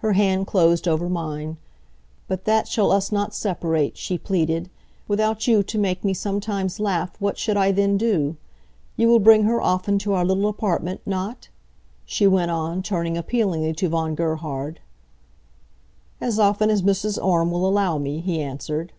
Her hand closed over mine. "But that shall us not separate," she pleaded. "Without you to make me sometimes laugh what should I then do? You will bring her often to our little apartment, not?" she went on, turning appealingly to Von Gerhard. "As often as Mrs. Orme will allow me," he answered.